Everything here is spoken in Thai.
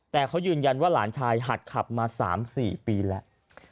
แต่เขายืนยันว่าหลานชายหัดขับมา๓๔ปีแล้ว